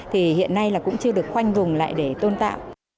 thì hiện nay là cũng chưa được khoanh vùng lại để tôn tạo